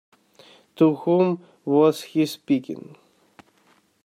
To whom was he speaking?